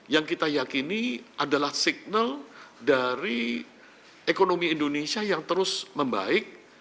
yang kita yakini adalah signal dari ekonomi indonesia yang terus membaik